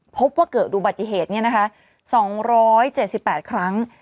พบว่าเกิดอุบัติเหตุเนี้ยนะคะสองร้อยเจ็ดสิบแปดครั้ง